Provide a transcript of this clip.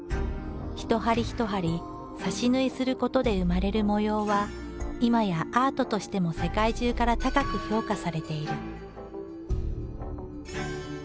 一針一針刺し縫いすることで生まれる模様は今やアートとしても世界中から高く評価されている。